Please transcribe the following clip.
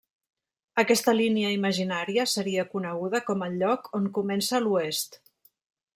Aquesta línia imaginària seria coneguda com el lloc 'on comença l'Oest'.